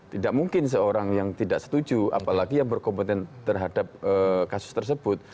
tidak mungkin seorang yang tidak setuju apalagi yang berkompeten terhadap kasus tersebut